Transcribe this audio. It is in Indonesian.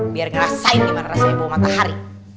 biar ngerasain gimana rasanya bawa matahari